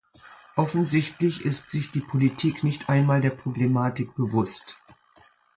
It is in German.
Offensichtlich ist sich die Politik nicht einmal der Problematik bewusst.